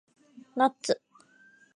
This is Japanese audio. ナッツ